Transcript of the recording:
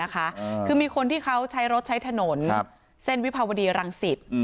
คือมีคนที่เขาใช้รถใช้ถนนเส้นวิภาวดีรังสิต